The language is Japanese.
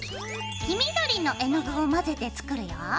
黄緑の絵の具を混ぜて作るよ。